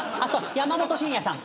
山本晋也さん。